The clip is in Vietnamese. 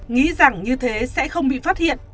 nghĩ rằng như thế sẽ không bị phát hiện